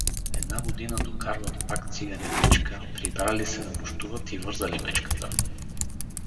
Една година докарват пак цигани мечка, прибрали се да нощуват и вързали мечката.